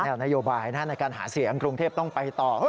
ก็แนวนโยบายนะฮะในการหาเสียงกรุงเทพฯต้องไปต่อ